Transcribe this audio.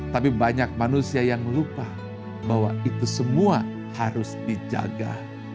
tapi banyak manusia yang lupa bahwa itu semua harus dijaga